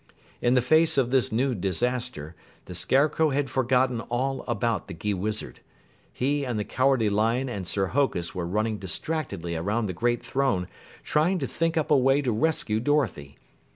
In the face of this new disaster, the Scarecrow had forgotten all about the Gheewizard. He and the Cowardly Lion and Sir Hokus were running distractedly around the great throne trying to think up a way to rescue Dorothy.